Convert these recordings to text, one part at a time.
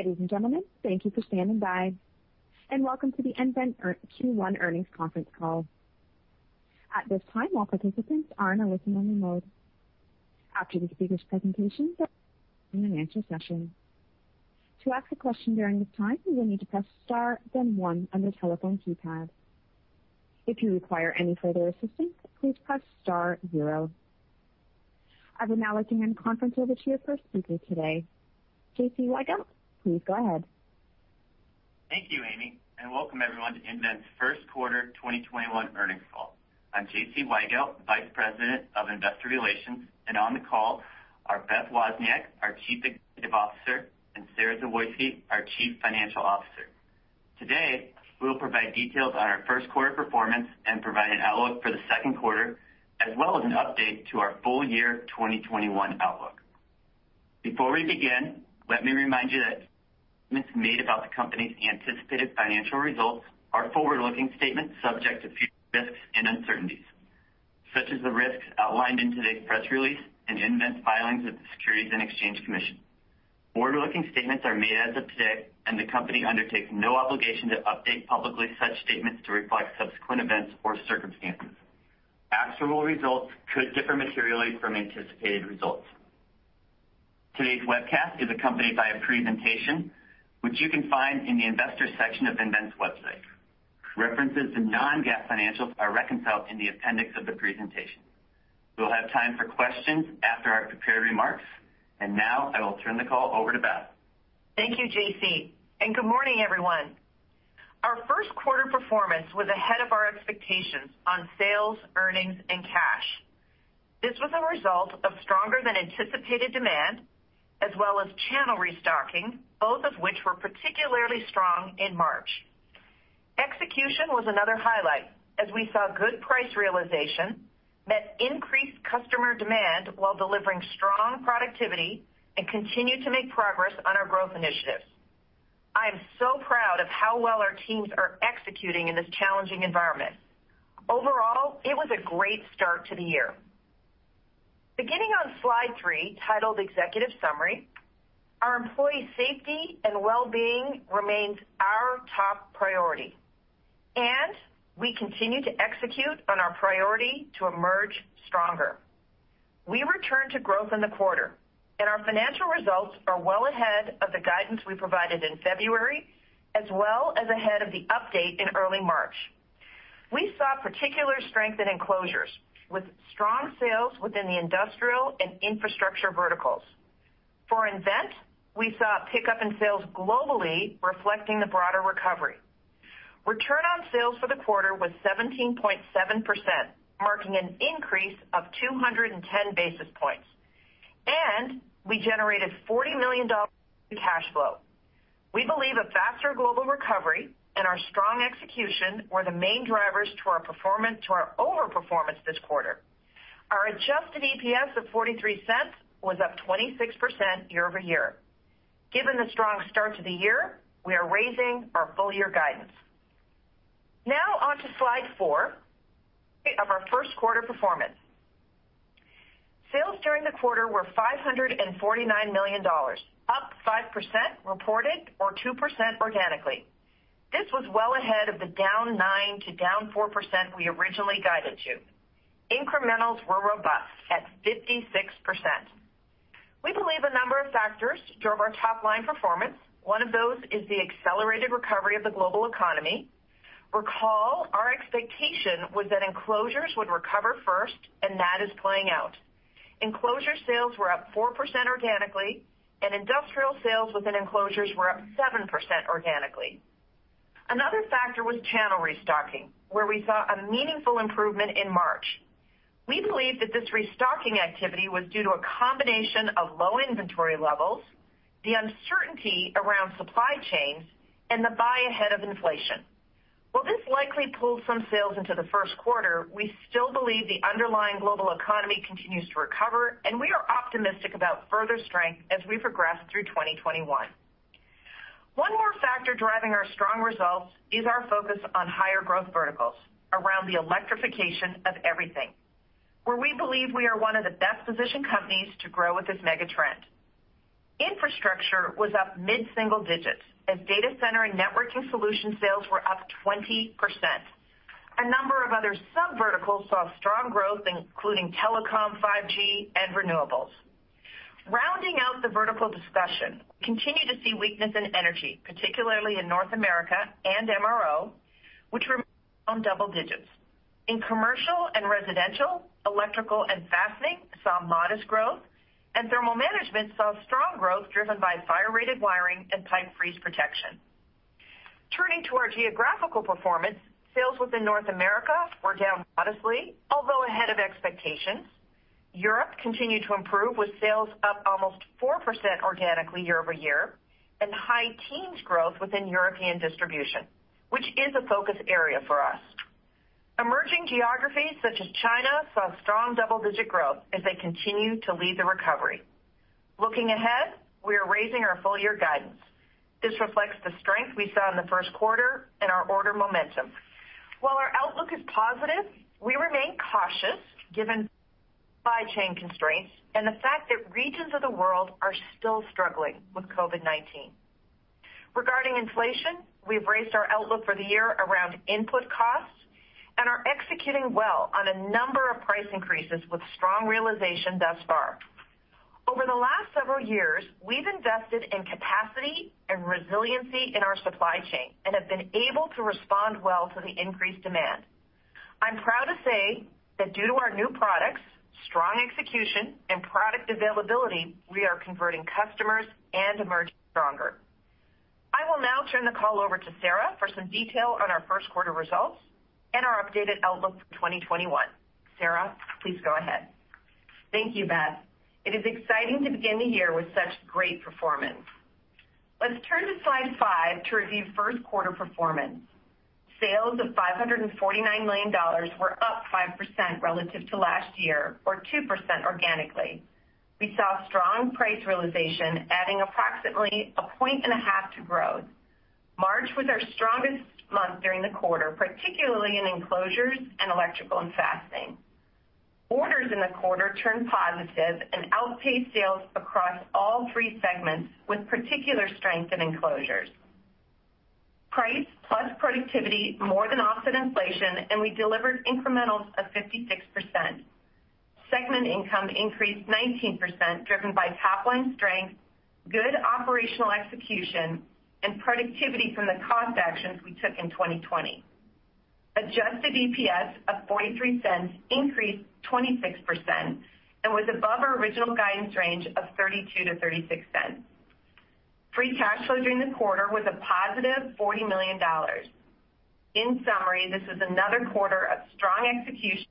Ladies and gentlemen, thank you for standing by, and welcome to the nVent Q1 earnings conference call. At this time, all participants are in a listen-only mode. After the speakers' presentation, there will be an answer session. To ask a question during this time, you will need to press star then one on your telephone keypad. If you require any further assistance, please press star zero. I would now like to hand the conference over to your first speaker today, J.C. Weigelt. Please go ahead. Thank you, Amy, and welcome everyone to nVent's first quarter 2021 earnings call. I'm J.C. Weigelt, Vice President of Investor Relations, and on the call are Beth Wozniak, our Chief Executive Officer, and Sara Zawoyski, our Chief Financial Officer. Today, we will provide details on our first quarter performance and provide an outlook for the second quarter, as well as an update to our full year 2021 outlook. Before we begin, let me remind you that comments made about the company's anticipated financial results are forward-looking statements subject to future risks and uncertainties, such as the risks outlined in today's press release and nVent's filings with the Securities and Exchange Commission. Forward-looking statements are made as of today, and the company undertakes no obligation to update publicly such statements to reflect subsequent events or circumstances. Actual results could differ materially from anticipated results. Today's webcast is accompanied by a presentation, which you can find in the Investors section of nVent's website. References to non-GAAP financials are reconciled in the appendix of the presentation. We'll have time for questions after our prepared remarks, and now I will turn the call over to Beth. Thank you, J.C., and good morning, everyone. Our first quarter performance was ahead of our expectations on sales, earnings, and cash. This was a result of stronger than anticipated demand, as well as channel restocking, both of which were particularly strong in March. Execution was another highlight as we saw good price realization that increased customer demand while delivering strong productivity and continued to make progress on our growth initiatives. I am so proud of how well our teams are executing in this challenging environment. Overall, it was a great start to the year. Beginning on slide three, titled Executive Summary, our employee safety and wellbeing remains our top priority, and we continue to execute on our priority to emerge stronger. We returned to growth in the quarter. Our financial results are well ahead of the guidance we provided in February, as well as ahead of the update in early March. We saw particular strength in enclosures, with strong sales within the industrial and infrastructure verticals. For nVent, we saw a pickup in sales globally, reflecting the broader recovery. Return on sales for the quarter was 17.7%, marking an increase of 210 basis points, and we generated $40 million in cash flow. We believe a faster global recovery and our strong execution were the main drivers to our overperformance this quarter. Our adjusted EPS of $0.43 was up 26% year-over-year. Given the strong start to the year, we are raising our full year guidance. Now on to slide four, overview of our first quarter performance. Sales during the quarter were $549 million, up 5% reported or 2% organically. This was well ahead of the -9% to -4% we originally guided to. Incrementals were robust at 56%. We believe a number of factors drove our top-line performance. One of those is the accelerated recovery of the global economy. Recall, our expectation was that enclosures would recover first, and that is playing out. Enclosure sales were up 4% organically, and industrial sales within enclosures were up 7% organically. Another factor was channel restocking, where we saw a meaningful improvement in March. We believe that this restocking activity was due to a combination of low inventory levels, the uncertainty around supply chains, and the buy ahead of inflation. While this likely pulled some sales into the first quarter, we still believe the underlying global economy continues to recover, and we are optimistic about further strength as we progress through 2021. One more factor driving our strong results is our focus on higher growth verticals around the electrification of everything, where we believe we are one of the best-positioned companies to grow with this mega trend. Infrastructure was up mid-single digits as data center and networking solution sales were up 20%. A number of other sub-verticals saw strong growth, including telecom, 5G, and renewables. Rounding out the vertical discussion, we continue to see weakness in energy, particularly in North America and MRO, which remained down double digits. In commercial and residential, electrical and fastening saw modest growth, and thermal management saw strong growth driven by fire-rated wiring and pipe freeze protection. Turning to our geographical performance, sales within North America were down modestly, although ahead of expectations. Europe continued to improve with sales up almost 4% organically year-over-year and high teens growth within European distribution, which is a focus area for us. Emerging geographies such as China saw strong double-digit growth as they continue to lead the recovery. Looking ahead, we are raising our full year guidance. This reflects the strength we saw in the first quarter and our order momentum. While our outlook is positive, we remain cautious given supply chain constraints, and the fact that regions of the world are still struggling with COVID-19. Regarding inflation, we've raised our outlook for the year around input costs and are executing well on a number of price increases with strong realization thus far. Over the last several years, we've invested in capacity and resiliency in our supply chain and have been able to respond well to the increased demand. I'm proud to say that due to our new products, strong execution, and product availability, we are converting customers and emerging stronger. I will now turn the call over to Sara for some detail on our first quarter results and our updated outlook for 2021. Sara, please go ahead. Thank you, Beth. It is exciting to begin the year with such great performance. Let's turn to slide five to review first quarter performance. Sales of $549 million were up 5% relative to last year, or 2% organically. We saw strong price realization, adding approximately a point and a half to growth. March was our strongest month during the quarter, particularly in enclosures and electrical and fastening. Orders in the quarter turned positive and outpaced sales across all three segments, with particular strength in enclosures. Price plus productivity more than offset inflation. We delivered incrementals of 56%. Segment income increased 19%, driven by top-line strength, good operational execution, and productivity from the cost actions we took in 2020. Adjusted EPS of $0.43 increased 26% and was above our original guidance range of $0.32 to $0.36. Free cash flow during the quarter was a positive $40 million. In summary, this is another quarter of strong execution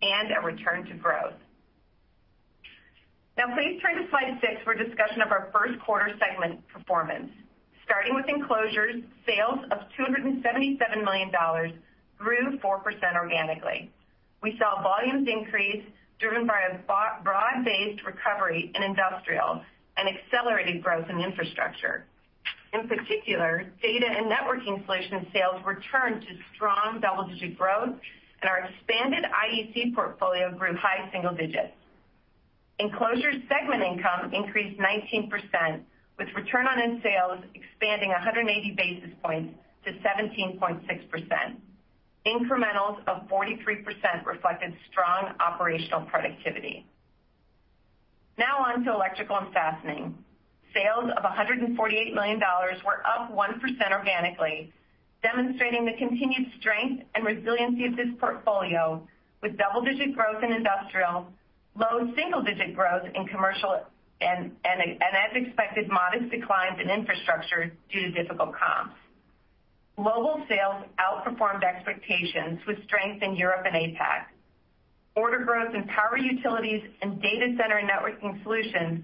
and a return to growth. Now please turn to slide six for a discussion of our first quarter segment performance. Starting with Enclosures, sales of $277 million grew 4% organically. We saw volumes increase, driven by a broad-based recovery in industrial and accelerated growth in infrastructure. In particular, data and networking solution sales returned to strong double-digit growth, and our expanded IEC portfolio grew high single digits. Enclosures segment income increased 19%, with return on sales expanding 180 basis points to 17.6%. Incrementals of 43% reflected strong operational productivity. Now on to electrical and fastening. Sales of $148 million were up 1% organically, demonstrating the continued strength and resiliency of this portfolio with double-digit growth in industrial, low single-digit growth in commercial, and as expected, modest declines in infrastructure due to difficult comps. Global sales outperformed expectations with strength in Europe and APAC. Order growth in power utilities and data center networking solutions,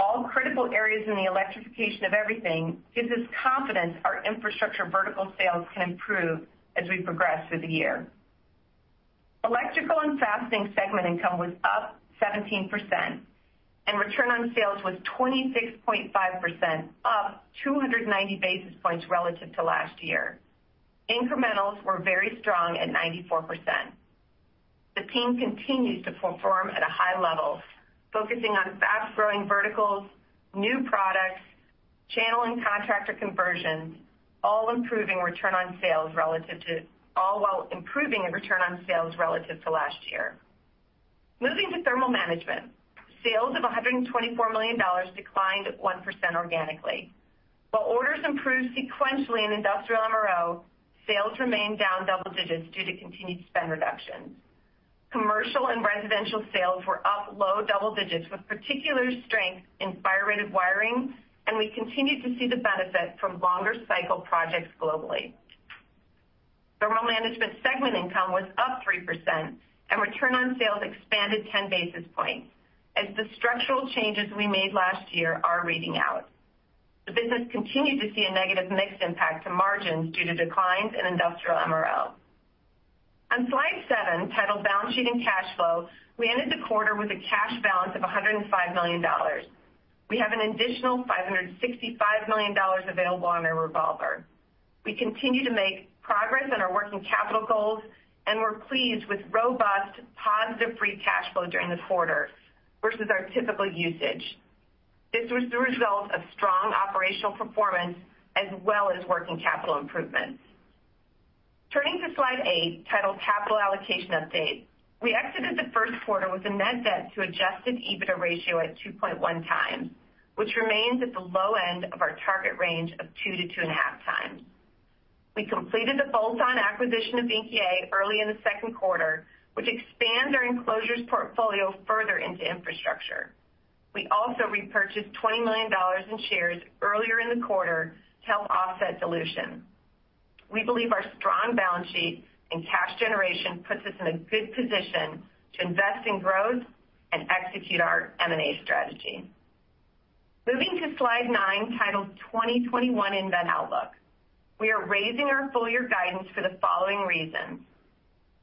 all critical areas in the electrification of everything, gives us confidence our infrastructure vertical sales can improve as we progress through the year. Electrical and Fastening segment income was up 17%, and return on sales was 26.5%, up 290 basis points relative to last year. Incrementals were very strong at 94%. The team continues to perform at a high level, focusing on fast-growing verticals, new products, channel and contractor conversions, all while improving return on sales relative to last year. Moving to thermal management. Sales of $124 million declined 1% organically. While orders improved sequentially in industrial MRO, sales remained down double digits due to continued spend reductions. Commercial and residential sales were up low double digits with particular strength in fire rated wiring, and we continued to see the benefit from longer cycle projects globally. Thermal management segment income was up 3%, and return on sales expanded 10 basis points, as the structural changes we made last year are reading out. The business continued to see a negative mixed impact to margins due to declines in industrial MRO. On slide seven, titled Balance Sheet and Cash Flow, we ended the quarter with a cash balance of $105 million. We have an additional $565 million available on our revolver. We continue to make progress on our working capital goals, and we're pleased with robust, positive free cash flow during the quarter versus our typical usage. This was the result of strong operational performance as well as working capital improvements. Turning to slide eight, titled Capital Allocation Update, we exited the first quarter with a net debt to adjusted EBITDA ratio at 2.1x which remains at the low end of our target range of 2:2.5. We completed the bolt-on acquisition of Vynckier early in the second quarter, which expands our enclosures portfolio further into infrastructure. We also repurchased $20 million in shares earlier in the quarter to help offset dilution. We believe our strong balance sheet and cash generation puts us in a good position to invest in growth and execute our M&A strategy. Moving to slide nine, titled 2021 nVent Outlook. We are raising our full-year guidance for the following reasons.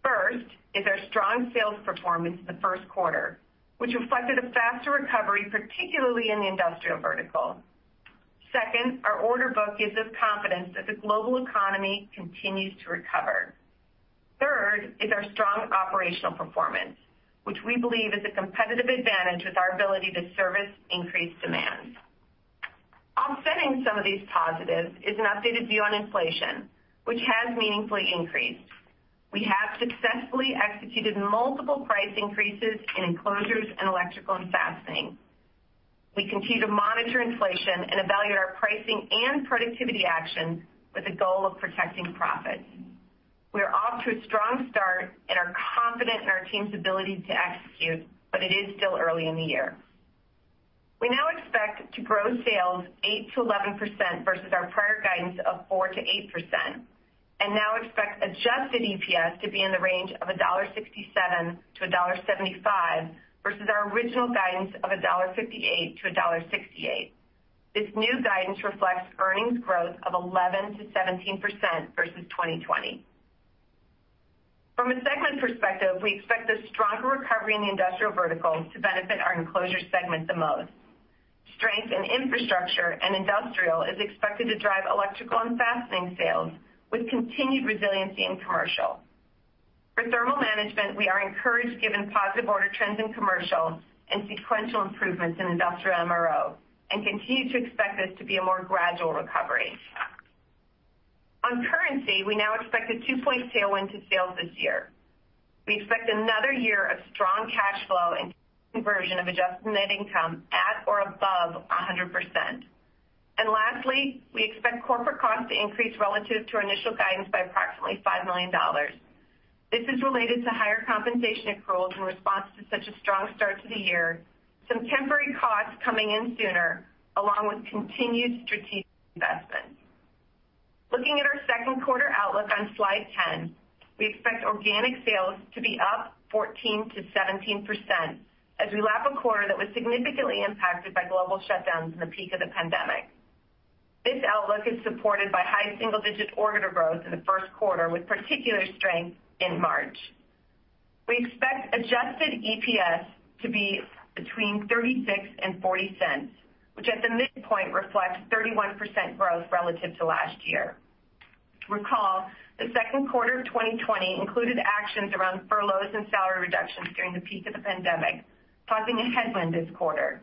First is our strong sales performance in the first quarter, which reflected a faster recovery, particularly in the industrial vertical. Second, our order book gives us confidence that the global economy continues to recover. Third is our strong operational performance, which we believe is a competitive advantage with our ability to service increased demands. Offsetting some of these positives is an updated view on inflation, which has meaningfully increased. We have successfully executed multiple price increases in enclosures and electrical and fastening. We continue to monitor inflation and evaluate our pricing and productivity actions with the goal of protecting profits. We are off to a strong start and are confident in our team's ability to execute, but it is still early in the year. We now expect to grow sales 8%-11% versus our prior guidance of 4%-8%, and now expect adjusted EPS to be in the range of $1.67-$1.75 versus our original guidance of $1.58-$1.68. This new guidance reflects earnings growth of 11%-17% versus 2020. From a segment perspective, we expect the stronger recovery in the industrial verticals to benefit our Enclosure segment the most. Strength in infrastructure and industrial is expected to drive Electrical & Fastening sales, with continued resiliency in commercial. For Thermal Management, we are encouraged given positive order trends in commercial and sequential improvements in industrial MRO, and continue to expect this to be a more gradual recovery. On currency, we now expect a 2- point tailwind to sales this year. We expect another year of strong cash flow and conversion of adjusted net income at or above 100%. Lastly, we expect corporate costs to increase relative to our initial guidance by approximately $5 million. This is related to higher compensation accruals in response to such a strong start to the year, some temporary costs coming in sooner, along with continued strategic investments. Looking at our second quarter outlook on slide 10, we expect organic sales to be up 14%-17% as we lap a quarter that was significantly impacted by global shutdowns in the peak of the pandemic. This outlook is supported by high single-digit order growth in the first quarter, with particular strength in March. We expect adjusted EPS to be between $0.36 and $0.40, which at the midpoint reflects 31% growth relative to last year. Recall that second quarter of 2020 included actions around furloughs and salary reductions during the peak of the pandemic, causing a headwind this quarter.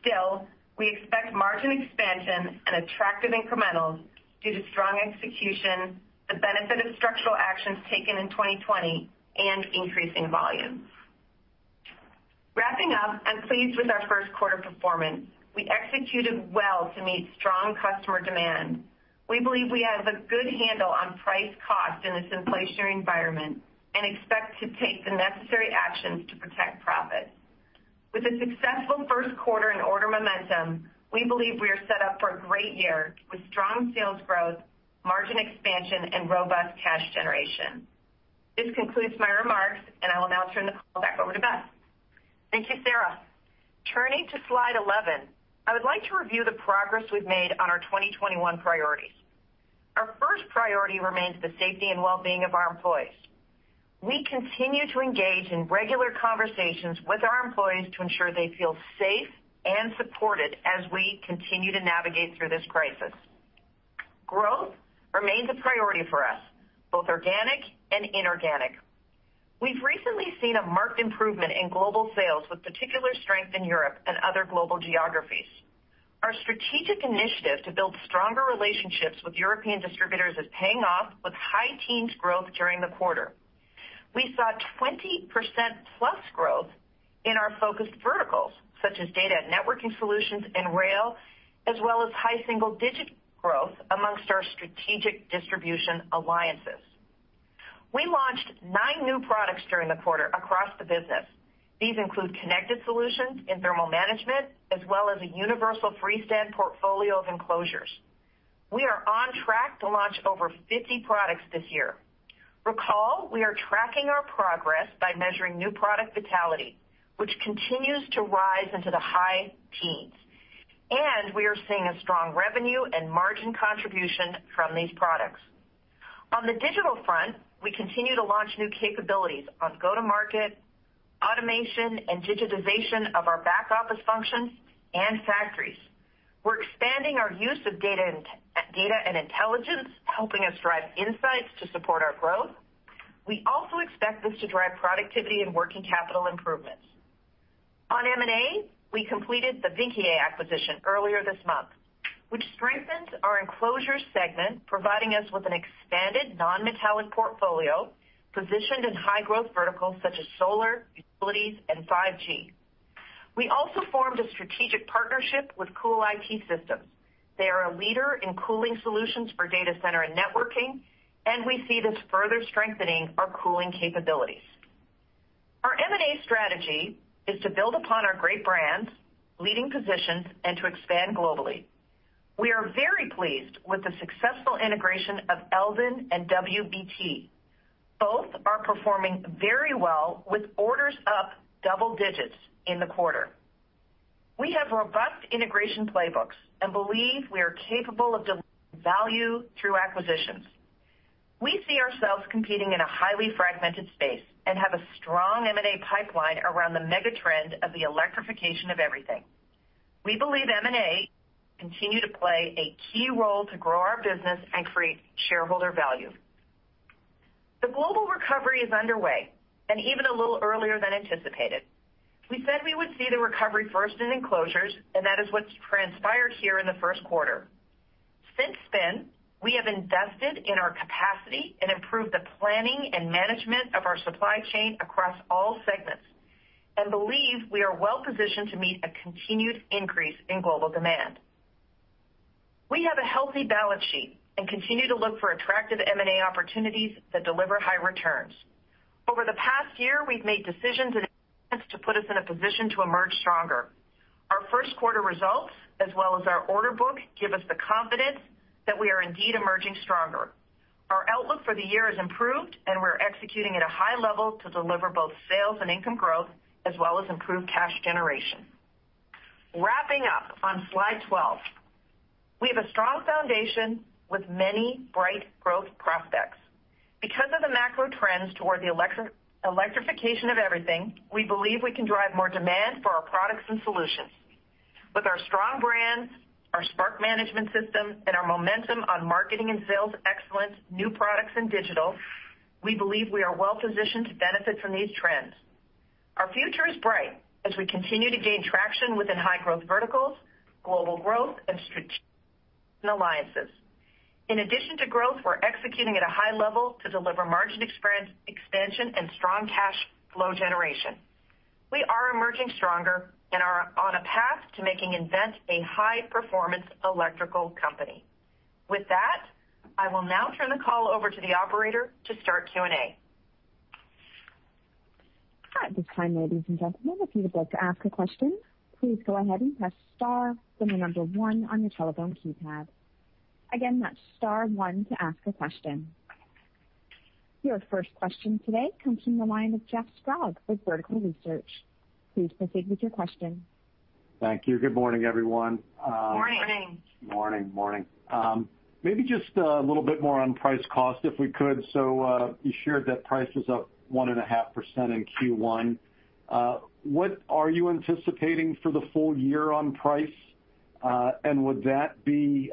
Still, we expect margin expansion and attractive incrementals due to strong execution, the benefit of structural actions taken in 2020, and increasing volumes. Wrapping up, I'm pleased with our first quarter performance. We executed well to meet strong customer demand. We believe we have a good handle on price cost in this inflationary environment and expect to take the necessary actions to protect profits. With a successful first quarter and order momentum, we believe we are set up for a great year with strong sales growth, margin expansion, and robust cash generation. This concludes my remarks, and I will now turn the call back over to Beth. Thank you, Sara. Turning to slide 11, I would like to review the progress we've made on our 2021 priorities. Our first priority remains the safety and wellbeing of our employees. We continue to engage in regular conversations with our employees to ensure they feel safe and supported as we continue to navigate through this crisis. Growth remains a priority for us, both organic and inorganic. We've recently seen a marked improvement in global sales, with particular strength in Europe and other global geographies. Our strategic initiative to build stronger relationships with European distributors is paying off with high teens growth during the quarter. We saw 20%-plus growth in our focused verticals, such as data networking solutions and rail, as well as high single-digit growth amongst our strategic distribution alliances. We launched nine new products during the quarter across the business. These include connected solutions in thermal management, as well as a universal freestanding portfolio of enclosures. We are on track to launch over 50 products this year. Recall, we are tracking our progress by measuring new product vitality, which continues to rise into the high teens, and we are seeing a strong revenue and margin contribution from these products. On the digital front, we continue to launch new capabilities on go-to-market, automation, and digitization of our back office functions and factories. We're expanding our use of data and intelligence, helping us drive insights to support our growth. We also expect this to drive productivity and working capital improvements. On M&A, we completed the Vynckier acquisition earlier this month, which strengthens our enclosures segment, providing us with an expanded non-metallic portfolio positioned in high-growth verticals such as solar, utilities, and 5G. We also formed a strategic partnership with CoolIT Systems. They are a leader in cooling solutions for data center and networking, and we see this further strengthening our cooling capabilities. Our M&A strategy is to build upon our great brands, leading positions, and to expand globally. We are very pleased with the successful integration of Eldon and WBT. Both are performing very well, with orders up double digits in the quarter. We have robust integration playbooks and believe we are capable of delivering value through acquisitions. We see ourselves competing in a highly fragmented space and have a strong M&A pipeline around the mega trend of the electrification of everything. We believe M&A continue to play a key role to grow our business and create shareholder value. The global recovery is underway, and even a little earlier than anticipated. We said we would see the recovery first in enclosures, and that is what's transpired here in the first quarter. Since then, we have invested in our capacity and improved the planning and management of our supply chain across all segments, and believe we are well-positioned to meet a continued increase in global demand. We have a healthy balance sheet and continue to look for attractive M&A opportunities that deliver high returns. Over the past year, we've made decisions and investments to put us in a position to emerge stronger. Our first quarter results, as well as our order book, give us the confidence that we are indeed emerging stronger. Our outlook for the year has improved, and we're executing at a high level to deliver both sales and income growth, as well as improved cash generation. Wrapping up on slide 12. We have a strong foundation with many bright growth prospects. Because of the macro trends toward the electrification of everything, we believe we can drive more demand for our products and solutions. With our strong brands, our Spark Management System, and our momentum on marketing and sales excellence, new products, and digital, we believe we are well-positioned to benefit from these trends. Our future is bright as we continue to gain traction within high-growth verticals, global growth, and strategic alliances. In addition to growth, we're executing at a high level to deliver margin expansion and strong cash flow generation. We are emerging stronger and are on a path to making nVent a high-performance electrical company. With that, I will now turn the call over to the operator to start Q&A. At this time, ladies and gentlemen, if you would like to ask a question, please go ahead and press star, then the number one on your telephone keypad. Again, that's star one to ask a question. Your first question today comes from the line of Jeff Sprague with Vertical Research. Please proceed with your question. Thank you. Good morning, everyone. Morning. Morning. Morning. Maybe just a little bit more on price cost, if we could. You shared that price was up 1.5% in Q1. What are you anticipating for the full year on price? Would that be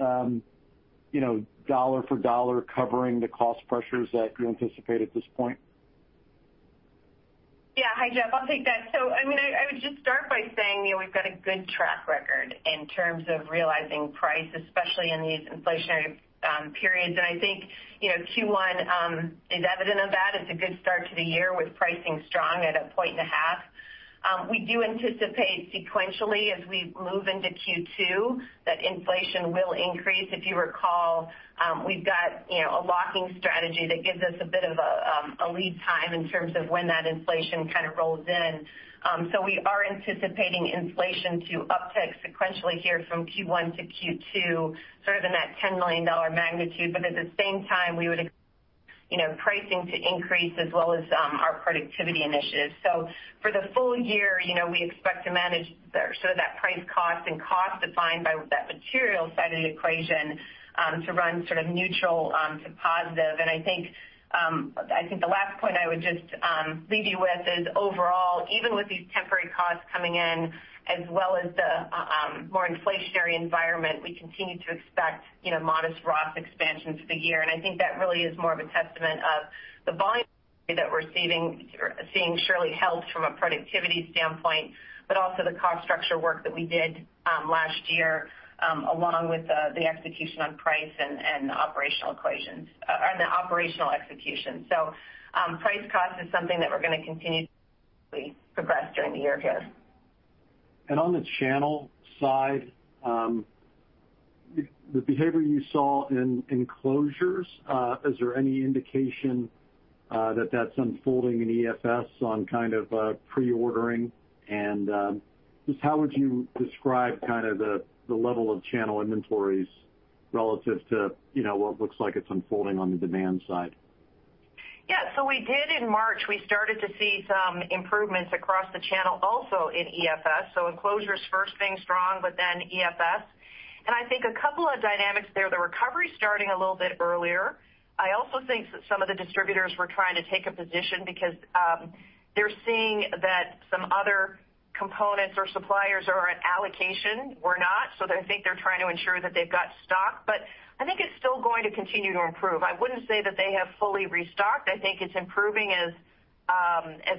dollar for dollar covering the cost pressures that you anticipate at this point? Yeah. Hi, Jeff. I'll take that. I would just start by saying we've got a good track record in terms of realizing price, especially in these inflationary periods. I think Q1 is evident of that. It's a good start to the year with pricing strong at a point and a half. We do anticipate sequentially as we move into Q2, that inflation will increase. If you recall, we've got a locking strategy that gives us a bit of a lead time in terms of when that inflation kind of rolls in. We are anticipating inflation to uptick sequentially here from Q1 to Q2, sort of in that $10 million magnitude. At the same time, we would expect pricing to increase as well as our productivity initiatives. For the full year, we expect to manage that price cost and cost defined by that material side of the equation, to run neutral to positive. I think the last point I would just leave you with is overall, even with these temporary costs coming in, as well as the more inflationary environment, we continue to expect modest ROS expansion for the year. I think that really is more of a testament of the volume that we're seeing surely helped from a productivity standpoint, but also the cost structure work that we did last year, along with the execution on price and the operational execution. Price cost is something that we're going to continue to progress during the year here. On the channel side, the behavior you saw in Enclosures, is there any indication that that's unfolding in EFS on kind of pre-ordering? Just how would you describe the level of channel inventories relative to what looks like it's unfolding on the demand side? Yeah. We did in March, we started to see some improvements across the channel also in EFS. Enclosures first being strong, EFS. I think a couple of dynamics there, the recovery's starting a little bit earlier. I also think that some of the distributors were trying to take a position because they're seeing that some other components or suppliers are at allocation, we're not. I think they're trying to ensure that they've got stock. I think it's still going to continue to improve. I wouldn't say that they have fully restocked. I think it's improving as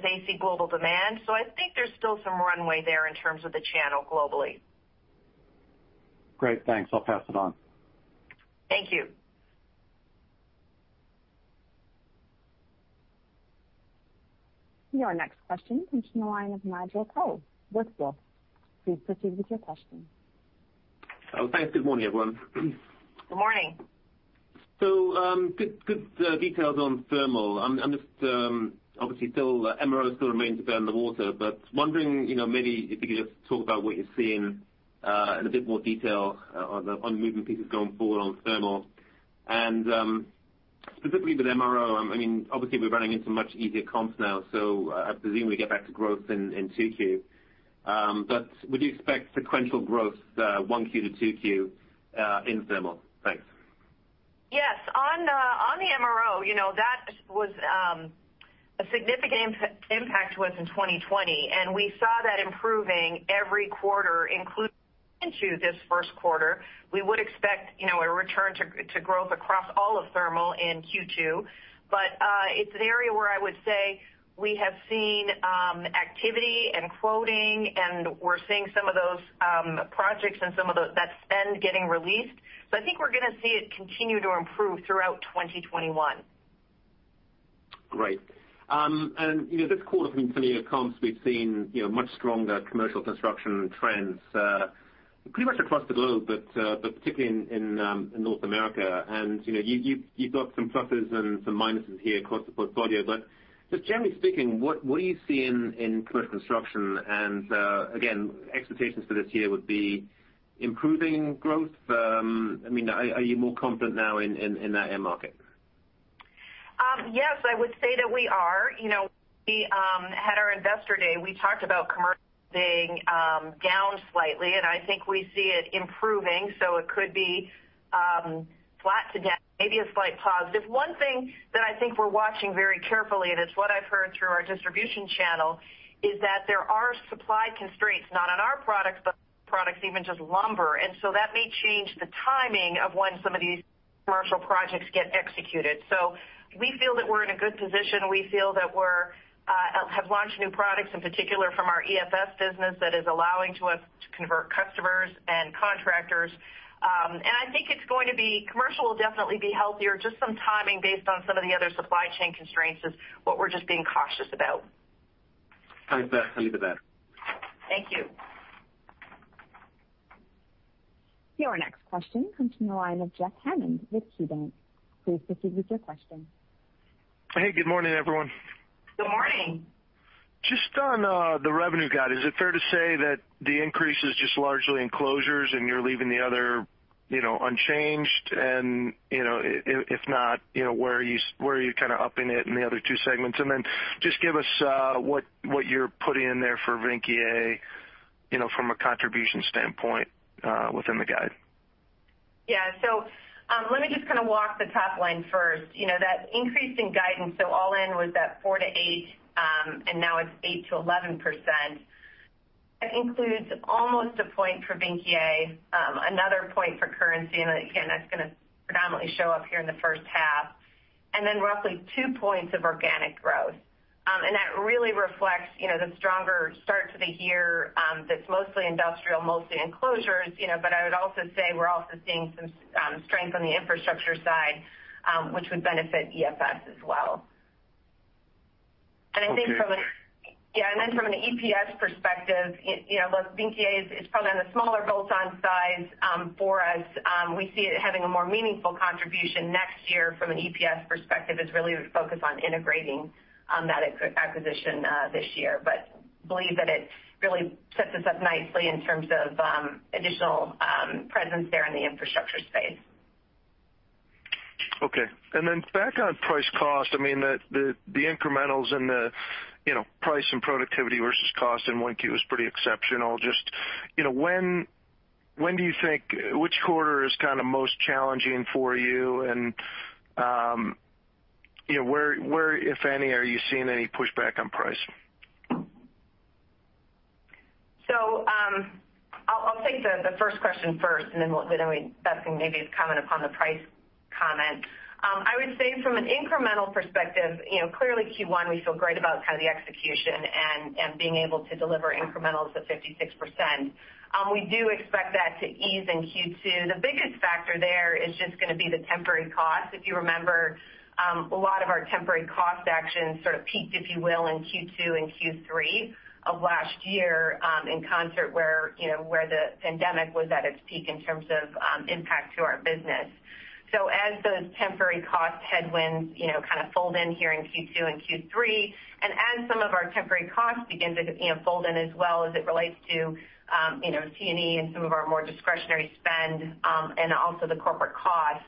they see global demand. I think there's still some runway there in terms of the channel globally. Great. Thanks. I'll pass it on. Thank you. Your next question comes from the line of Nigel Coe with Wolfe Research. Please proceed with your question. Oh, thanks. Good morning, everyone. Good morning. Good details on thermal. Obviously MRO still remains a bit underwater, but wondering, maybe if you could just talk about what you're seeing in a bit more detail on the moving pieces going forward on thermal, and specifically with MRO. Obviously, we're running into much easier comps now, so I presume we get back to growth in Q2. Would you expect sequential growth Q1 to Q2 in thermal? Thanks. Yes. On the MRO, that was a significant impact was in 2020. We saw that improving every quarter, including into this first quarter. We would expect a return to growth across all of thermal in Q2. It's an area where I would say we have seen activity and quoting, and we're seeing some of those projects and some of that spend getting released. I think we're going to see it continue to improve throughout 2021. Great. This quarter, from some of your comps, we've seen much stronger commercial construction trends pretty much across the globe, but particularly in North America. You've got some pluses and some minuses here across the portfolio. Just generally speaking, what are you seeing in commercial construction? Again, expectations for this year would be improving growth. Are you more confident now in that end market? Yes, I would say that we are. When we had our investor day, we talked about commercial being down slightly, I think we see it improving. It could be flat to down, maybe a slight positive. One thing that I think we're watching very carefully, and it's what I've heard through our distribution channel, is that there are supply constraints, not on our products, but products, even just lumber. That may change the timing of when some of these commercial projects get executed. We feel that we're in a good position. We feel that we have launched new products, in particular from our EFS business that is allowing to us to convert customers and contractors. I think commercial will definitely be healthier. Just some timing based on some of the other supply chain constraints is what we're just being cautious about. Thanks for that. I'll leave it there. Thank you. Your next question comes from the line of Jeffrey Hammond with KeyBanc. Please proceed with your question. Hey, good morning, everyone. Good morning. Just on the revenue guide, is it fair to say that the increase is just largely enclosures and you're leaving the other unchanged? If not, where are you kind of upping it in the other two segments? Just give us what you're putting in there for Vynckier from a contribution standpoint within the guide. Yeah. Let me just kind of walk the top line first. That increase in guidance, all in was at 4%-8%, and now it's 8%-11%. That includes almost a point for Vynckier, another point for currency, again, that's going to predominantly show up here in the first half, then roughly two points of organic growth. That really reflects the stronger start to the year that's mostly industrial, mostly enclosures. I would also say we're also seeing some strength on the infrastructure side, which would benefit EFS as well. Okay. Yeah. From an EPS perspective, look, Vynckier is probably on the smaller bolt-on size for us. We see it having a more meaningful contribution next year from an EPS perspective, as really we focus on integrating that acquisition this year. Believe that it really sets us up nicely in terms of additional presence there in the infrastructure space. Okay. Back on price cost, the incrementals and the price and productivity versus cost in Q1 was pretty exceptional. Just which quarter is kind of most challenging for you, and where, if any, are you seeing any pushback on price? I'll take the first question first, and then Beth can maybe comment upon the price comment. I would say from an incremental perspective, clearly Q1, we feel great about kind of the execution and being able to deliver incrementals of 56%. We do expect that to ease in Q2. The biggest factor there is just going to be the temporary costs. If you remember, a lot of our temporary cost actions sort of peaked, if you will, in Q2 and Q3 of last year in concert where the pandemic was at its peak in terms of impact to our business. As those temporary cost headwinds kind of fold in here in Q2 and Q3, and as some of our temporary costs begin to fold in as well as it relates to T&E and some of our more discretionary spend and also the corporate costs,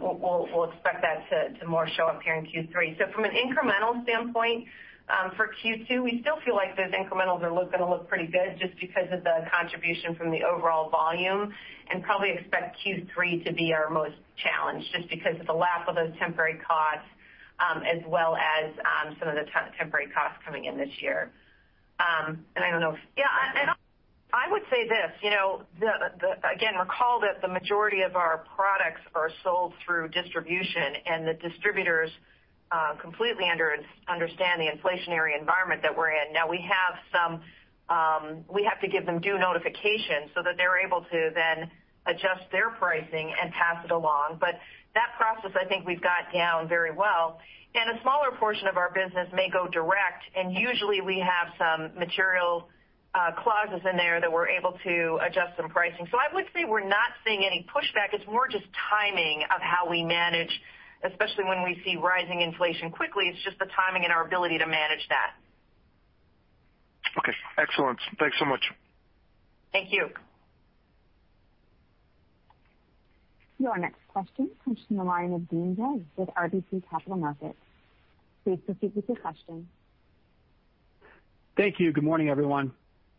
we'll expect that to more show up here in Q3. From an incremental standpoint for Q2, we still feel like those incrementals are going to look pretty good just because of the contribution from the overall volume, and probably expect Q3 to be our most challenged just because of the lack of those temporary costs as well as some of the temporary costs coming in this year. I would say this. Again, recall that the majority of our products are sold through distribution, and the distributors completely understand the inflationary environment that we're in. We have to give them due notification so that they're able to then adjust their pricing and pass it along. That process, I think we've got down very well. A smaller portion of our business may go direct, and usually we have some material clauses in there that we're able to adjust some pricing. I would say we're not seeing any pushback. It's more just timing of how we manage, especially when we see rising inflation quickly. It's just the timing and our ability to manage that. Okay. Excellent. Thanks so much. Thank you. Your next question comes from the line of Deane Dray with RBC Capital Markets. Please proceed with your question. Thank you. Good morning, everyone.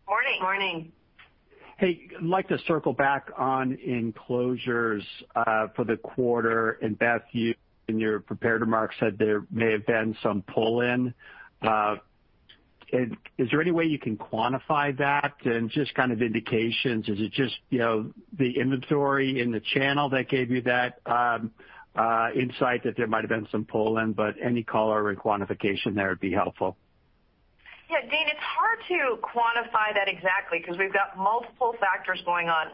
Morning. Morning. Hey, I'd like to circle back on enclosures for the quarter. Beth, you, in your prepared remarks, said there may have been some pull-in. Is there any way you can quantify that? Just kind of indications, is it just the inventory in the channel that gave you that insight that there might have been some pull-in? Any color or quantification there would be helpful. Yeah, Deane, it's hard to quantify that exactly because we've got multiple factors going on.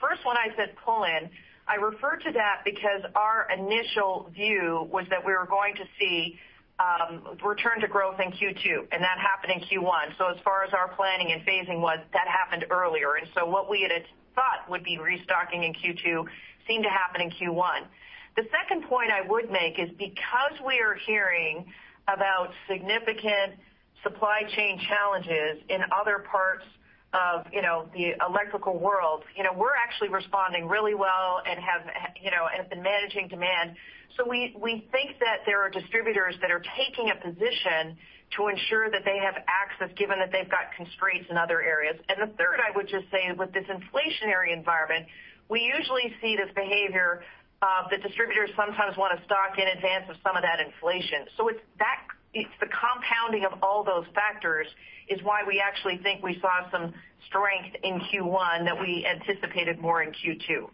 First, when I said pull-in, I referred to that because our initial view was that we were going to see return to growth in Q2, and that happened in Q1. As far as our planning and phasing was, that happened earlier. What we had thought would be restocking in Q2 seemed to happen in Q1. The second point I would make is because we are hearing about significant supply chain challenges in other parts of the electrical world, we're actually responding really well and have been managing demand. We think that there are distributors that are taking a position to ensure that they have access, given that they've got constraints in other areas. The third, I would just say, with this inflationary environment, we usually see this behavior of the distributors sometimes want to stock in advance of some of that inflation. It's the compounding of all those factors is why we actually think we saw some strength in Q1 that we anticipated more in Q2.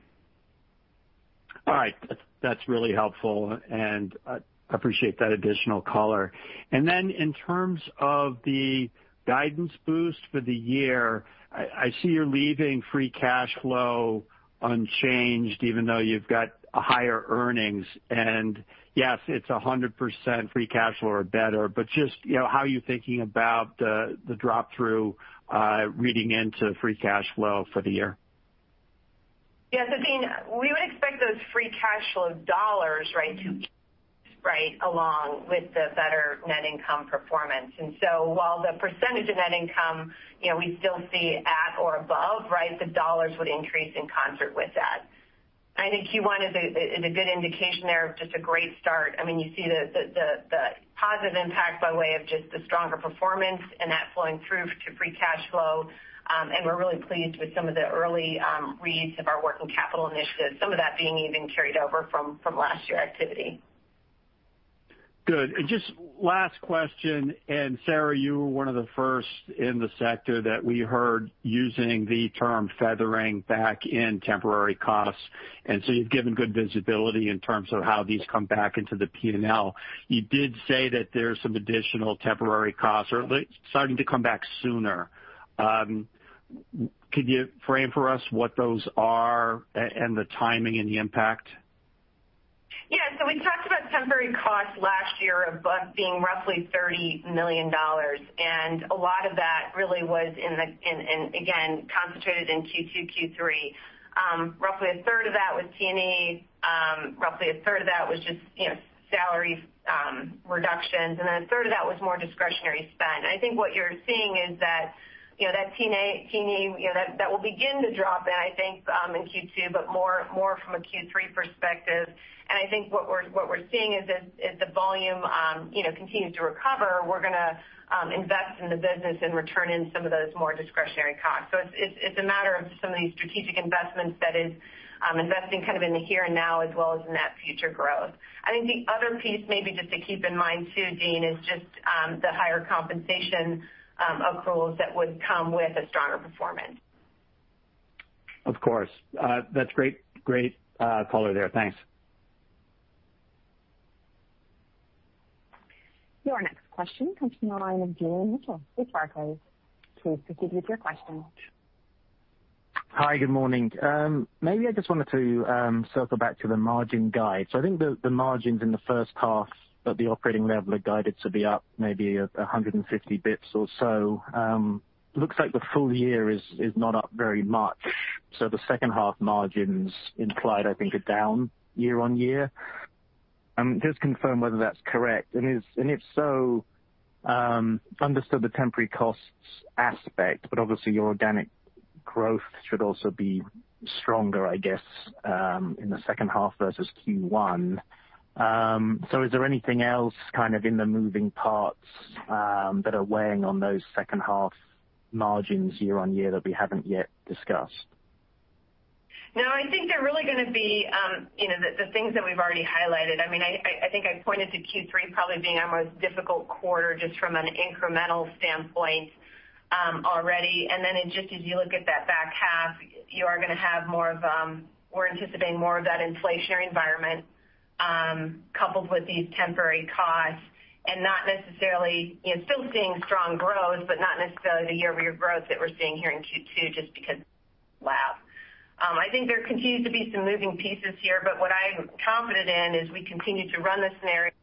All right. That's really helpful, and I appreciate that additional color. In terms of the guidance boost for the year, I see you're leaving free cash flow unchanged even though you've got higher earnings. Yes, it's 100% free cash flow or better, but just how are you thinking about the drop through reading into free cash flow for the year? Yes. Deane, we would expect those free cash flow dollars to rise along with the better net income performance. While the percentage of net income we still see at or above, the dollars would increase in concert with that. I think Q1 is a good indication there of just a great start. You see the positive impact by way of just the stronger performance and that flowing through to free cash flow. We're really pleased with some of the early reads of our working capital initiatives, some of that being even carried over from last year activity. Good. Just last question, and Sara, you were one of the first in the sector that we heard using the term feathering back in temporary costs. You've given good visibility in terms of how these come back into the P&L. You did say that there's some additional temporary costs are starting to come back sooner. Could you frame for us what those are and the timing and the impact? Yeah. We talked about temporary costs last year being roughly $30 million, and a lot of that really was, again, concentrated in Q2, Q3. Roughly a third of that was T&E, roughly a third of that was just salary reductions, then a third of that was more discretionary spend. I think what you're seeing is that T&E, that will begin to drop in, I think, in Q2, but more from a Q3 perspective. I think what we're seeing as the volume continues to recover, we're going to invest in the business and return in some of those more discretionary costs. It's a matter of some of these strategic investments that is investing kind of in the here and now, as well as in that future growth. I think the other piece maybe just to keep in mind too, Deane, is just the higher compensation accruals that would come with a stronger performance. Of course. That's great color there. Thanks. Your next question comes from the line of Julian Mitchell with Barclays. Please proceed with your question. Hi, good morning. Maybe I just wanted to circle back to the margin guide. I think the margins in the first half at the operating level are guided to be up maybe 150 bps or so. Looks like the full year is not up very much. The second half margins implied, I think, are down year-on-year. Just confirm whether that's correct. If so, understood the temporary costs aspect, but obviously your organic growth should also be stronger, I guess, in the second half versus Q1. Is there anything else kind of in the moving parts that are weighing on those second half margins year-on-year that we haven't yet discussed? No, I think they're really going to be the things that we've already highlighted. I think I pointed to Q3 probably being our most difficult quarter just from an incremental standpoint already. Then just as you look at that back half, we're anticipating more of that inflationary environment coupled with these temporary costs and still seeing strong growth, but not necessarily the year-over-year growth that we're seeing here in Q2 just because lag. I think there continues to be some moving pieces here, but what I'm confident in is we continue to run the scenarios,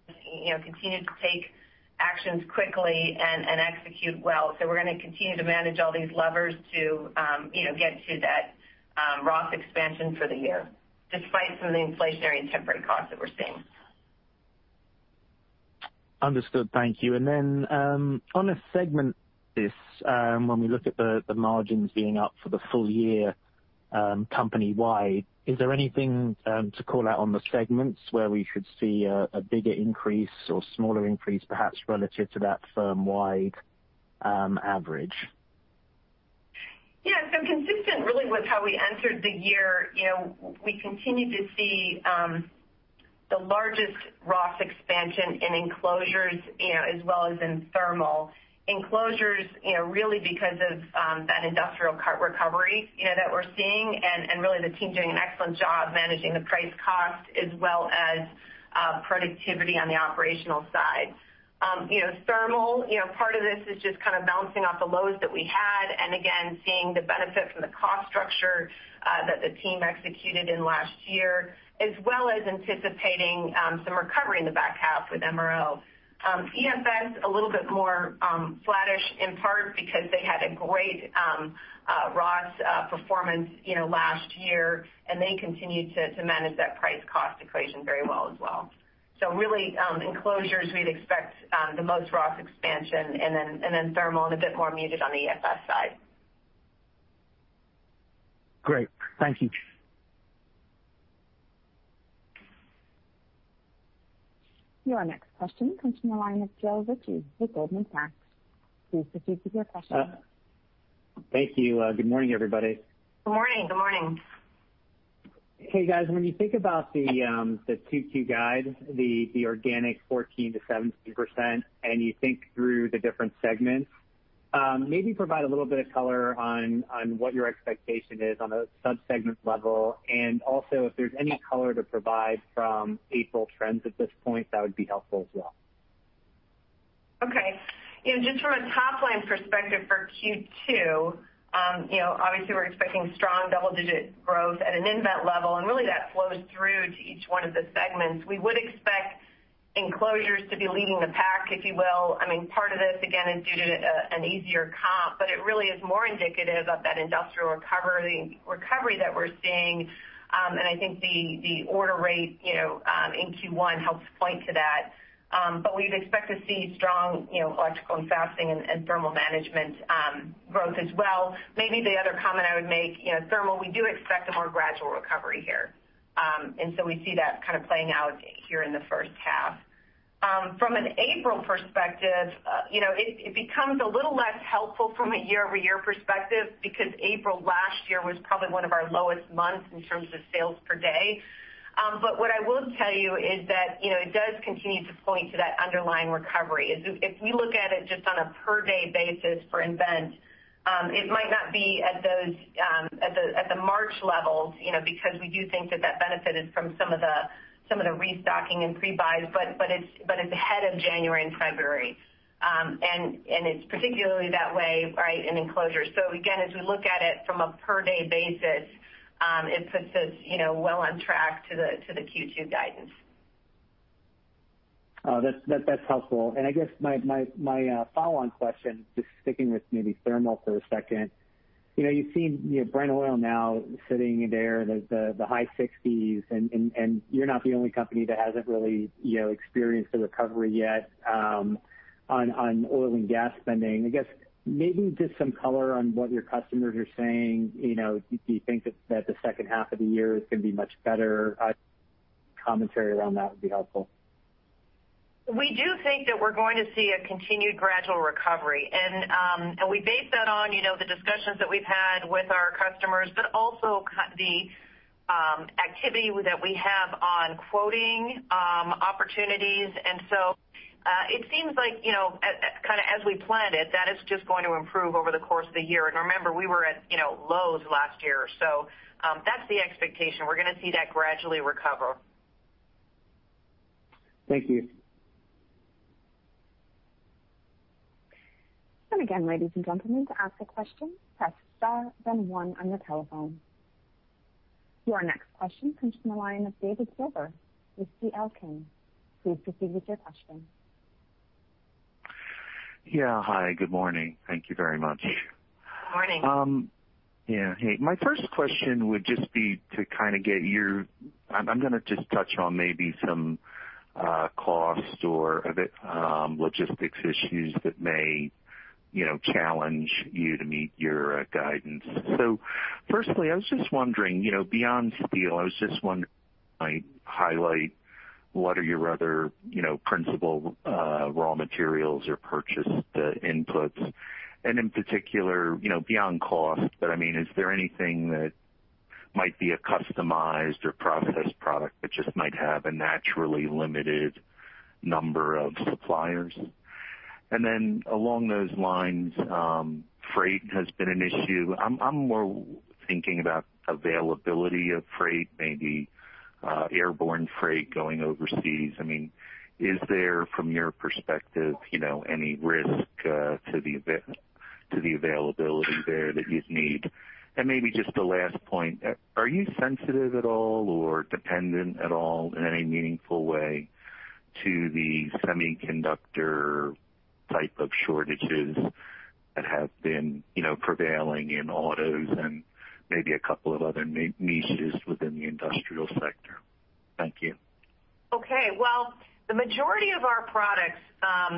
continue to take actions quickly and execute well. We're going to continue to manage all these levers to get to that ROIC expansion for the year, despite some of the inflationary and temporary costs that we're seeing. Understood. Thank you. Then on a segment basis, when we look at the margins being up for the full year company-wide, is there anything to call out on the segments where we should see a bigger increase or smaller increase, perhaps relative to that firm-wide average? Yeah. Consistent really with how we entered the year, we continue to see the largest ROS expansion in enclosures, as well as in thermal. Enclosures, really because of that industrial CapEx recovery that we're seeing and really the team doing an excellent job managing the price cost as well as productivity on the operational side. Thermal, part of this is just kind of bouncing off the lows that we had, and again, seeing the benefit from the cost structure that the team executed in last year, as well as anticipating some recovery in the back half with MRO. EFS, a little bit more flattish in part because they had a great ROS performance last year, and they continued to manage that price cost equation very well as well. Really, enclosures we'd expect the most ROS expansion, and then thermal and a bit more muted on the EFS side. Great. Thank you. Your next question comes from the line of Joe Ritchie with Goldman Sachs. Please proceed with your question. Thank you. Good morning, everybody. Good morning. Hey, guys. When you think about the Q2 guide, the organic 14%-17%, you think through the different segments, maybe provide a little bit of color on what your expectation is on a sub-segment level, and also if there's any color to provide from April trends at this point, that would be helpful as well. Okay. Just from a top-line perspective for Q2, obviously we're expecting strong double-digit growth at an nVent level, and really that flows through to each one of the segments. We would expect enclosures to be leading the pack, if you will. Part of this, again, is due to an easier comp, but it really is more indicative of that industrial recovery that we're seeing. I think the order rate in Q1 helps point to that. We'd expect to see strong electrical and fastening and thermal management growth as well. Maybe the other comment I would make, thermal, we do expect a more gradual recovery here. We see that kind of playing out here in the first half. From an April perspective, it becomes a little less helpful from a year-over-year perspective because April last year was probably one of our lowest months in terms of sales per day. What I will tell you is that it does continue to point to that underlying recovery. If we look at it just on a per day basis for nVent, it might not be at the March levels, because we do think that benefited from some of the restocking and pre-buys, but it's ahead of January and February. It's particularly that way in enclosures. Again, as we look at it from a per day basis, it puts us well on track to the Q2 guidance. That's helpful. I guess my follow-on question, just sticking with maybe thermal for a second. You've seen Brent oil now sitting there in the high 60s. You're not the only company that hasn't really experienced a recovery yet on oil and gas spending. I guess maybe just some color on what your customers are saying. Do you think that the second half of the year is going to be much better? Commentary around that would be helpful. We do think that we're going to see a continued gradual recovery. We base that on the discussions that we've had with our customers, but also the activity that we have on quoting opportunities. It seems like, as we planned it, that is just going to improve over the course of the year. Remember, we were at lows last year. That's the expectation. We're going to see that gradually recover. Thank you. Again, ladies and gentlemen, to ask a question, press star then one on your telephone. Your next question comes from the line of David Silver with C.L. King. Please proceed with your question. Yeah. Hi, good morning. Thank you very much. Good morning. Yeah. Hey, my first question would just be. I'm going to just touch on maybe some cost or a bit logistics issues that may challenge you to meet your guidance. Firstly, beyond steel, I was just wondering, might highlight what are your other principal raw materials or purchased inputs? In particular beyond cost, I mean, is there anything that might be a customized or processed product that just might have a naturally limited number of suppliers? Along those lines, freight has been an issue. I'm more thinking about availability of freight, maybe airborne freight going overseas. Is there, from your perspective any risk to the availability there that you'd need? Maybe just a last point, are you sensitive at all or dependent at all in any meaningful way to the semiconductor type of shortages that have been prevailing in autos and maybe a couple of other niches within the industrial sector? Thank you. Okay. Well, the majority of our products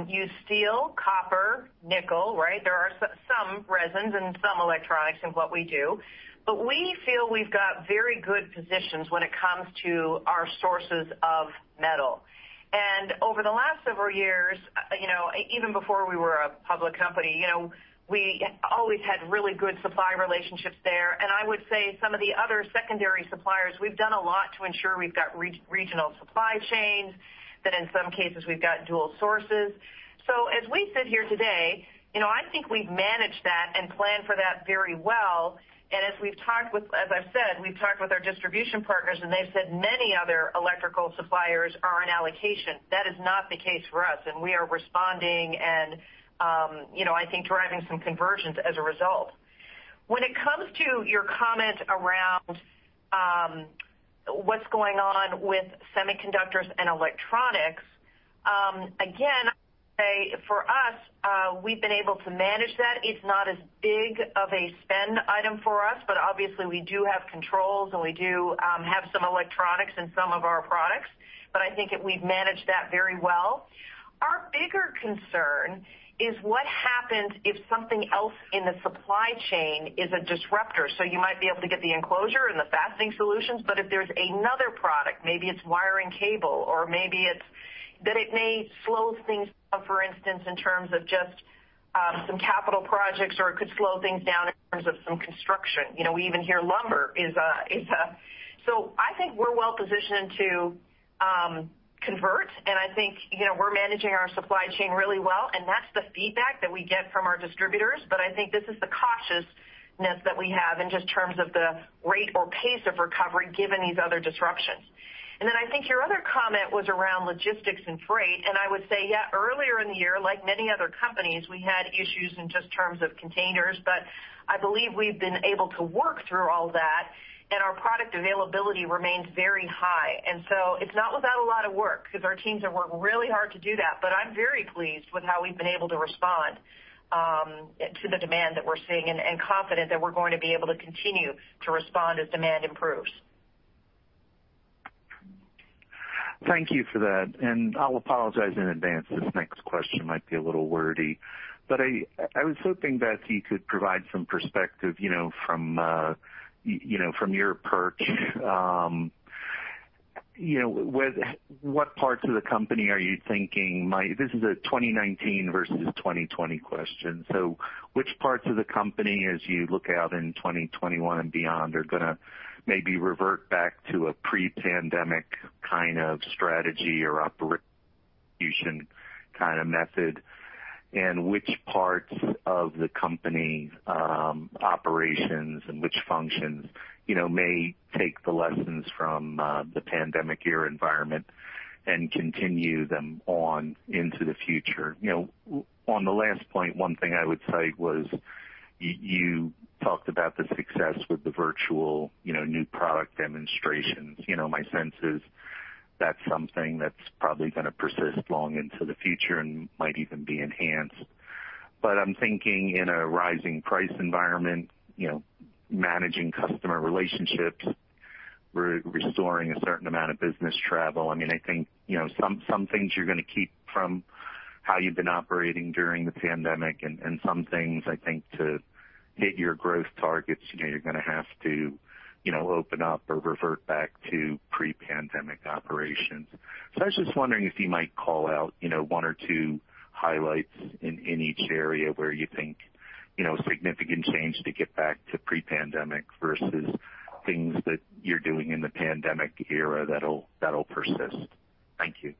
use steel, copper, nickel, right? There are some resins and some electronics in what we do, but we feel we've got very good positions when it comes to our sources of metal. Over the last several years, even before we were a public company, we always had really good supply relationships there. I would say some of the other secondary suppliers, we've done a lot to ensure we've got regional supply chains, that in some cases we've got dual sources. As we sit here today, I think we've managed that and planned for that very well. As I've said, we've talked with our distribution partners, and they've said many other electrical suppliers are on allocation. That is not the case for us, and we are responding and I think driving some conversions as a result. When it comes to your comment around what's going on with semiconductors and electronics, again, I would say for us, we've been able to manage that. It's not as big of a spend item for us, but obviously we do have controls, and we do have some electronics in some of our products. I think we've managed that very well. Our bigger concern is what happens if something else in the supply chain is a disruptor. You might be able to get the enclosure and the fastening solutions, but if there's another product, maybe it's wire and cable or that it may slow things down, for instance, in terms of just some capital projects, or it could slow things down in terms of some construction. I think we're well positioned to convert, and I think we're managing our supply chain really well, and that's the feedback that we get from our distributors. I think this is the cautiousness that we have in just terms of the rate or pace of recovery given these other disruptions. I think your other comment was around logistics and freight, and I would say, yeah, earlier in the year, like many other companies, we had issues in just terms of containers, but I believe we've been able to work through all that, and our product availability remains very high. It's not without a lot of work because our teams have worked really hard to do that, but I'm very pleased with how we've been able to respond to the demand that we're seeing and confident that we're going to be able to continue to respond as demand improves. Thank you for that. I'll apologize in advance. This next question might be a little wordy, but I was hoping, Beth, you could provide some perspective from your perch. This is a 2019 versus 2020 question. Which parts of the company, as you look out in 2021 and beyond, are going to maybe revert back to a pre-pandemic kind of strategy or operation kind of method? Which parts of the company's operations and which functions may take the lessons from the pandemic year environment and continue them on into the future? On the last point, one thing I would cite was you talked about the success with the virtual new product demonstrations. My sense is that's something that's probably going to persist long into the future and might even be enhanced. I'm thinking in a rising price environment, managing customer relationships, restoring a certain amount of business travel. I think some things you're going to keep from how you've been operating during the pandemic, and some things, I think, to hit your growth targets, you're going to have to open up or revert back to pre-pandemic operations. I was just wondering if you might call out 1 or 2 highlights in each area where you think significant change to get back to pre-pandemic versus things that you're doing in the pandemic era that'll persist. Thank you.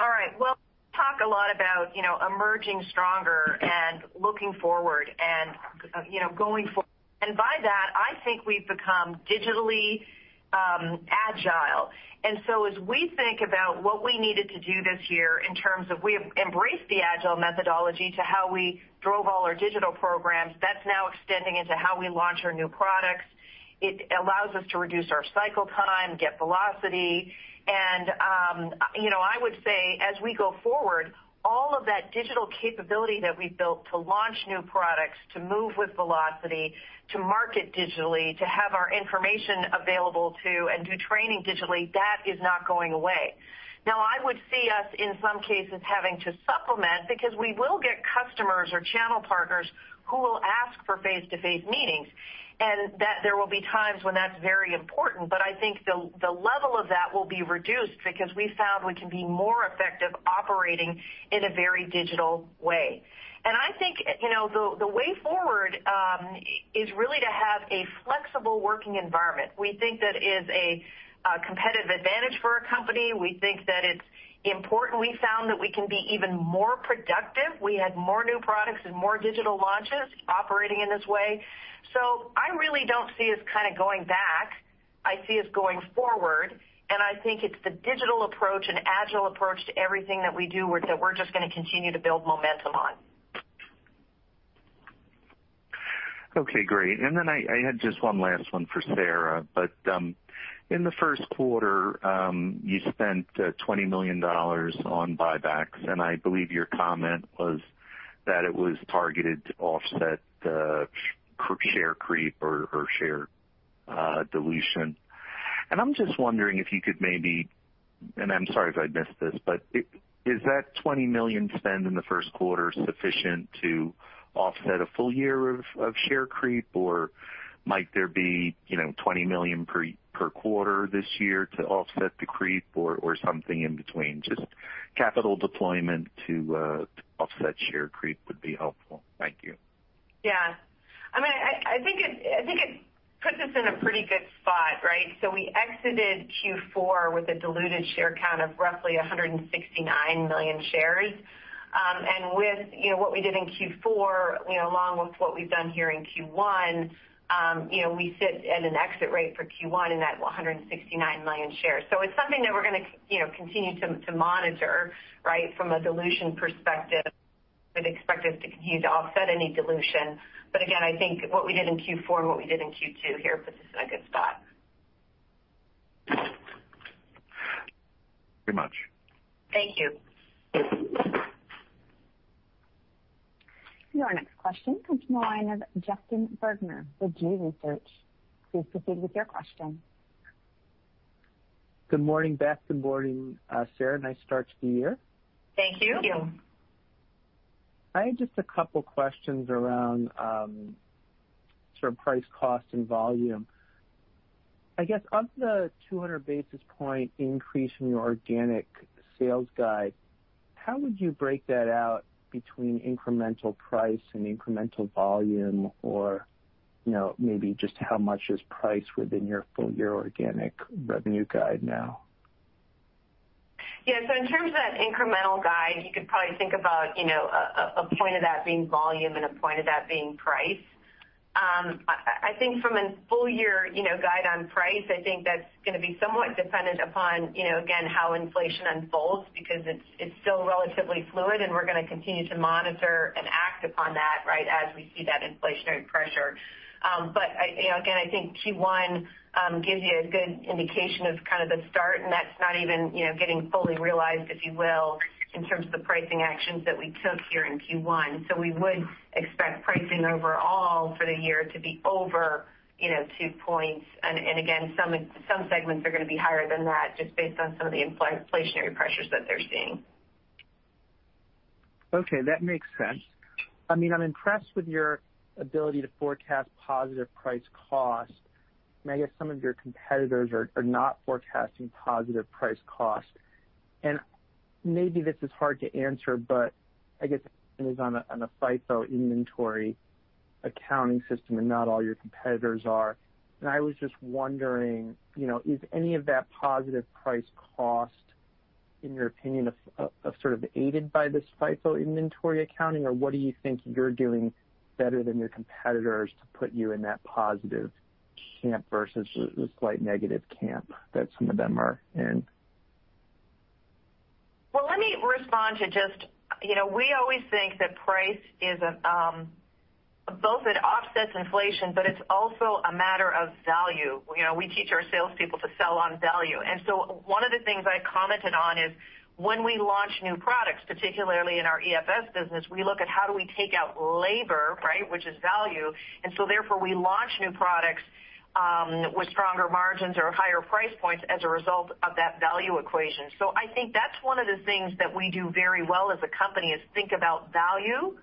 All right. Well, we talk a lot about emerging stronger and looking forward and going forward. As we think about what we needed to do this year in terms of we have embraced the agile methodology to how we drove all our digital programs. That's now extending into how we launch our new products. It allows us to reduce our cycle time, get velocity, and I would say as we go forward, all of that digital capability that we've built to launch new products, to move with velocity, to market digitally, to have our information available to, and do training digitally, that is not going away. I would see us, in some cases, having to supplement because we will get customers or channel partners who will ask for face-to-face meetings, and that there will be times when that's very important. I think the level of that will be reduced because we found we can be more effective operating in a very digital way. I think the way forward is really to have a flexible working environment. We think that is a competitive advantage for our company. We think that it's important. We found that we can be even more productive. We had more new products and more digital launches operating in this way. I really don't see us kind of going back. I see us going forward, and I think it's the digital approach and agile approach to everything that we do that we're just going to continue to build momentum on. Okay, great. I had just one last one for Sara. In the first quarter, you spent $20 million on buybacks, and I believe your comment was that it was targeted to offset the share creep or share dilution. I'm just wondering if you could maybe, and I'm sorry if I missed this, but is that $20 million spend in the first quarter sufficient to offset a full year of share creep? Might there be $20 million per quarter this year to offset the creep or something in between? Just capital deployment to offset share creep would be helpful. Thank you. Yeah. I think it puts us in a pretty good spot, right? We exited Q4 with a diluted share count of roughly 169 million shares. With what we did in Q4, along with what we've done here in Q1, we sit at an exit rate for Q1 in that 169 million shares. It's something that we're going to continue to monitor from a dilution perspective. We'd expect us to continue to offset any dilution. Again, I think what we did in Q4 and what we did in Q2 here puts us in a good spot. Thank you very much. Thank you. Your next question comes from the line of Justin Bergner with G.research. Please proceed with your question. Good morning, Beth. Good morning, Sara. Nice start to the year. Thank you. Thank you. I had just a couple questions around sort of price, cost, and volume. I guess of the 200 basis point increase in your organic sales guide, how would you break that out between incremental price and incremental volume? Or maybe just how much is price within your full-year organic revenue guide now? Yeah. In terms of that incremental guide, you could probably think about a point of that being volume and a point of that being price. I think from a full-year guide on price, I think that's going to be somewhat dependent upon, again, how inflation unfolds, because it's still relatively fluid, and we're going to continue to monitor and act upon that as we see that inflationary pressure. Again, I think Q1 gives you a good indication of kind of the start, and that's not even getting fully realized, if you will, in terms of the pricing actions that we took here in Q1. We would expect pricing overall for the year to be over two points. Again, some segments are going to be higher than that just based on some of the inflationary pressures that they're seeing. Okay. That makes sense. I'm impressed with your ability to forecast positive price cost, I guess some of your competitors are not forecasting positive price cost. Maybe this is hard to answer, but I guess as you're on a FIFO inventory accounting system and not all your competitors are. I was just wondering, is any of that positive price cost, in your opinion, sort of aided by this FIFO inventory accounting, or what do you think you're doing better than your competitors to put you in that positive camp versus the slight negative camp that some of them are in? Well, let me respond to just, we always think that price is both it offsets inflation, but it's also a matter of value. We teach our salespeople to sell on value. One of the things I commented on is when we launch new products, particularly in our EFS business, we look at how do we take out labor, which is value. Therefore, we launch new products with stronger margins or higher price points as a result of that value equation. I think that's one of the things that we do very well as a company is think about value.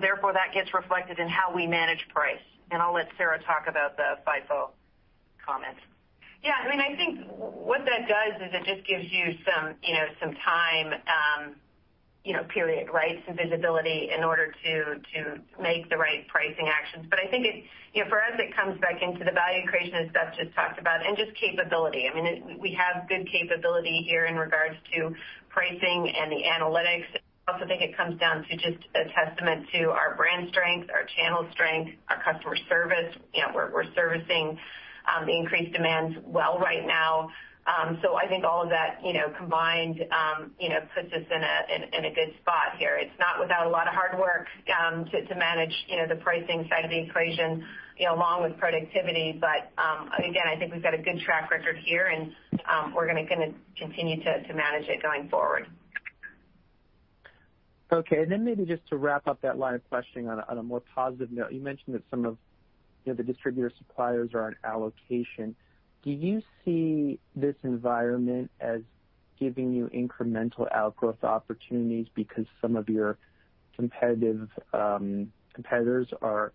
Therefore, that gets reflected in how we manage price. I'll let Sara talk about the FIFO comments. Yeah, I think what that does is it just gives you some time period, some visibility in order to make the right pricing actions. I think for us, it comes back into the value creation as Beth just talked about and just capability. We have good capability here in regards to pricing and the analytics. I also think it comes down to just a testament to our brand strength, our channel strength, our customer service. We're servicing the increased demands well right now. I think all of that combined puts us in a good spot here. It's not without a lot of hard work to manage the pricing side of the equation along with productivity. Again, I think we've got a good track record here and we're going to continue to manage it going forward. Okay. Maybe just to wrap up that line of questioning on a more positive note. You mentioned that some of the distributor suppliers are on allocation. Do you see this environment as giving you incremental outgrowth opportunities because some of your competitors are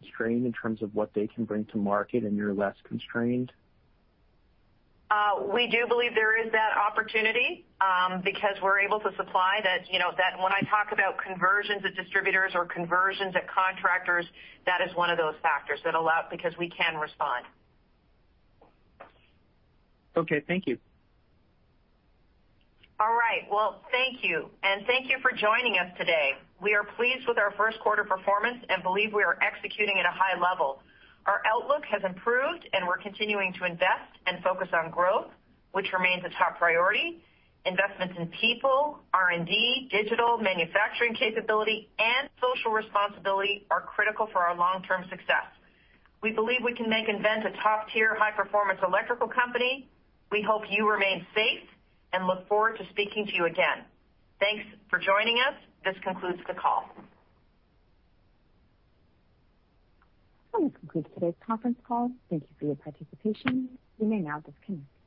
constrained in terms of what they can bring to market and you're less constrained? We do believe there is that opportunity because we're able to supply that. When I talk about conversions at distributors or conversions at contractors, that is one of those factors that allow because we can respond. Okay. Thank you. All right. Well, thank you. Thank you for joining us today. We are pleased with our first quarter performance and believe we are executing at a high level. Our outlook has improved, and we're continuing to invest and focus on growth, which remains a top priority. Investments in people, R&D, digital, manufacturing capability, and social responsibility are critical for our long-term success. We believe we can make nVent a top-tier, high-performance electrical company. We hope you remain safe and look forward to speaking to you again. Thanks for joining us. This concludes the call. This concludes today's conference call. Thank You for your participation. You may now disconnect.